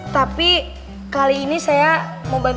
tapi kali ini saya mau bajak laut